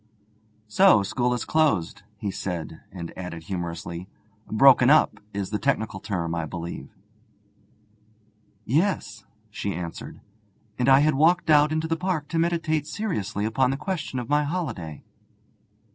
'So school is closed,' he said, and added humorously: '"Broken up" is the technical term, I believe.' 'Yes,' she answered, 'and I had walked out into the park to meditate seriously upon the question of my holiday.'